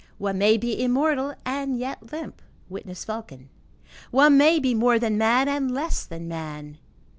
One may be immortal and yet limp: witness Vulcan. One may be more than man and less than man.